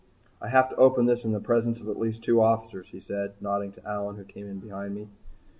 "I have to open this in the presence of at least two officers," he said nodding at Allyn who came in behind me.